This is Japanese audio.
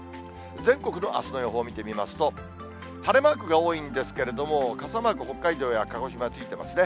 全国のあすの予報を見てみますと、晴れマークが多いんですけれども、傘マーク、北海道や鹿児島についていますね。